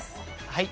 はい。